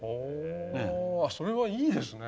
ほうそれはいいですね。